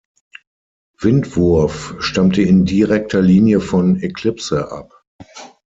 Windwurf stammte in direkter Linie von Eclipse ab.